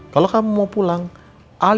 kalau kamu mau pulang ke rumah kamu